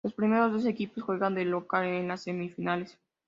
Los primeros dos equipos juegan de local en las semifinales.